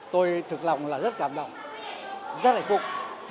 tôi thực lòng là rất cảm động rất hạnh phúc